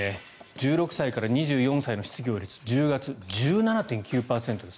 １６歳から２４歳の失業率１０月、１７．９％です。